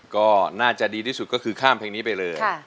ก็น่าจะดีที่สุดก็คือข้ามเพลงนี้ไปเลย